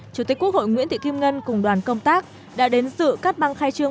chủ tịch quốc hội nguyễn thị kim ngân cùng đoàn công tác đã đến dự cắt băng khai trương